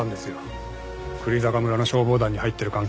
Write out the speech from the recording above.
久里坂村の消防団に入ってる関係で。